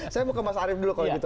saya mau ke mas arief dulu kalau gitu